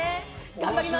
頑張ります。